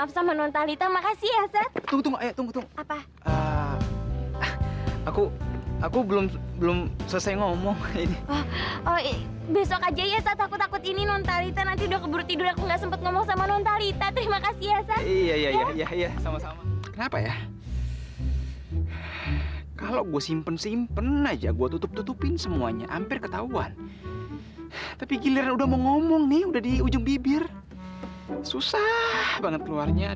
sampai jumpa di video selanjutnya